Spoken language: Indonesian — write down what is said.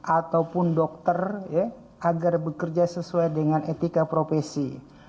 ataupun dokter agar bekerja sesuai dengan etika profesi